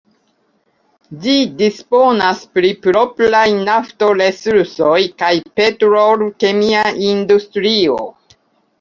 Ĝi disponas pri propraj nafto-resursoj kaj petrol-kemia industrio.